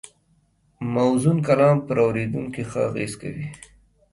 موزون کلام پر اورېدونکي ښه اغېز کوي